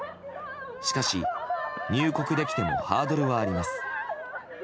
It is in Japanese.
しかし、入国できてもハードルはあります。